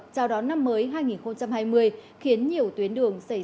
trao đón năm mới hai nghìn hai mươi khiến nhiều tuyến đường xảy ra ổn ứ